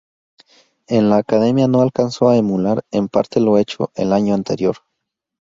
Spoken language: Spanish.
En la Academia no alcanzó a emular en parte lo hecho el año anterior.